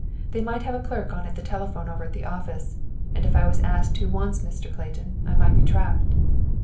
They might have a clerk on at the telephone over at the office, and if I was asked who wants Mr. Clayton, I might be trapped."